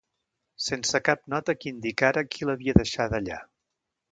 Sense cap nota que indicara qui l'havia deixada allà.